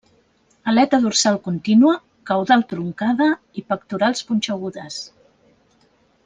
Aleta dorsal contínua, caudal truncada i pectorals punxegudes.